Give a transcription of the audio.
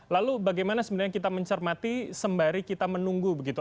lalu bagaimana sebenarnya kita mencermati sembari kita menunggu begitu